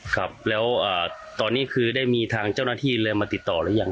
ครับแล้วตอนนี้คือได้มีทางเจ้าหน้าที่เลยมาติดต่อหรือยัง